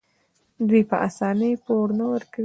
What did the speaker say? دوی په اسانۍ پور نه ورکوي.